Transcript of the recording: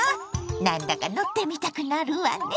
なんだか乗ってみたくなるわね。